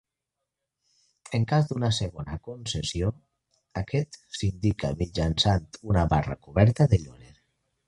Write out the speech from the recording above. En cas d'una segona concessió, aquest s'indica mitjançant una barra coberta de llorer.